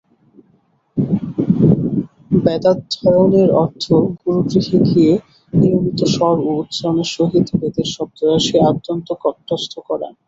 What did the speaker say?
বেদাধ্যয়নের অর্থ গুরুগৃহে গিয়ে নিয়মিত স্বর ও উচ্চারণের সহিত বেদের শব্দরাশি আদ্যন্ত কণ্ঠস্থ করা।